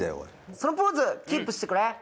そのポーズキープしてくれ。